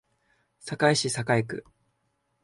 堺市堺区